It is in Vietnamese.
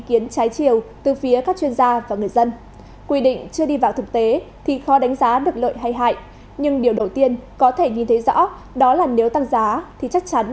kính chào tạm biệt và hẹn gặp lại